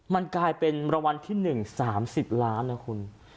มันกลายเป็นรางวัลที่๑๓๐ล้านนะคุณ